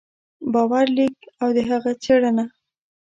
باور لیک او د هغه څېړنه